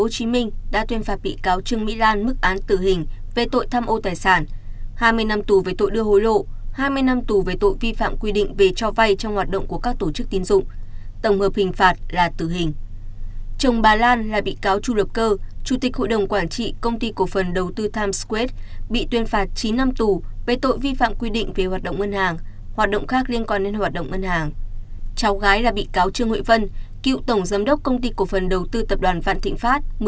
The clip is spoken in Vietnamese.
cháu gái là bị cáo trương hội vân cựu tổng giám đốc công ty cổ phần đầu tư tập đoàn vạn thịnh pháp